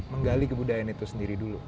menggali kebudayaan itu sendiri dulu